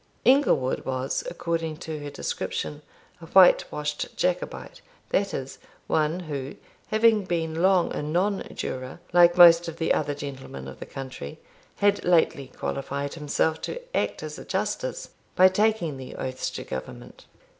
Inglewood was according to her description a white washed Jacobite; that is, one who, having been long a non juror, like most of the other gentlemen of the country, had lately qualified himself to act as a justice, by taking the oaths to Government.